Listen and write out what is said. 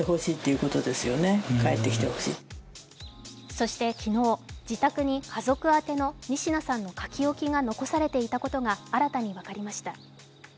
そして昨日、自宅に家族宛ての仁科さんの書き置きが残されていたことが新たに分かりました。